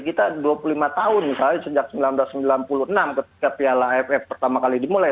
kita dua puluh lima tahun misalnya sejak seribu sembilan ratus sembilan puluh enam ketika piala aff pertama kali dimulai